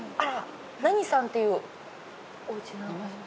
何さんっていうおうち。